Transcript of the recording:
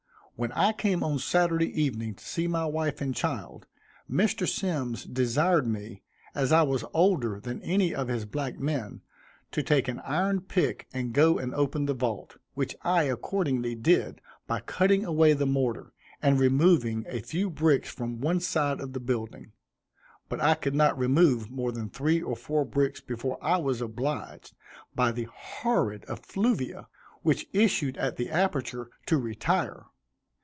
When I came on Saturday evening to see my wife and child, Mr. Symmes desired me, as I was older than any of his black men, to take an iron pick and go and open the vault, which I accordingly did, by cutting away the mortar, and removing a few bricks from one side of the building; but I could not remove more than three or four bricks before I was obliged, by the horrid effluvia which issued at the aperture, to retire.